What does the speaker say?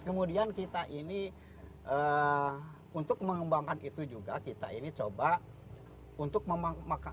kemudian kita ini untuk mengembangkan itu juga kita ini coba untuk memanfaatkan